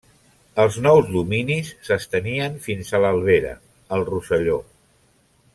Els nous dominis s'estenien fins a l'Albera, al Rosselló.